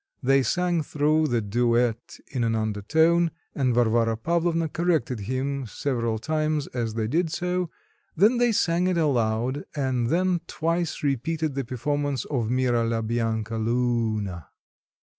They sang through the duet in an undertone, and Varvara Pavlovna corrected him several times as they did so, then they sang it aloud, and then twice repeated the performance of Mira la bianca lu u na.